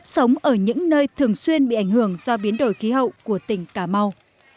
sống ở những nơi thường xuyên bị ảnh hưởng do biến đổi khí hậu của tỉnh cà mau